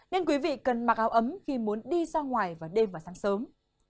nên quý vị cần mặc áo ấm khi muốn đi ra ngoài vào đêm và sáng sớm